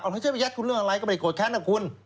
เอาเขาจะไปยัดคุณเรื่องอะไรก็ไปโกรธแค้นกับคุณ